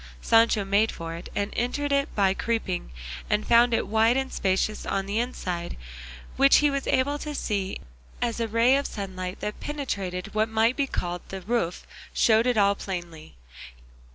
Sancho made for it, and entered it by creeping, and found it wide and spacious on the inside, which he was able to see as a ray of sunlight that penetrated what might be called the roof showed it all plainly.